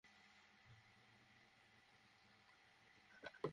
সেখানে থাকা অবস্থায় ঢাকা বিশ্ববিদ্যালয়ের দুজন ছাত্রের মৃত্যুর খবর পেয়ে পদত্যাগ করেন।